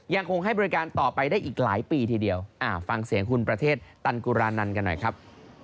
ยังคงให้บริการต่อไปได้อีกหลายปีทีเดียวฟังเสียงคุณประเทศตันกุรานันต์กันหน่อยครับ